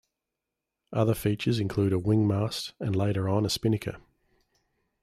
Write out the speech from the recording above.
Other features include a wing mast, and later on a spinnaker.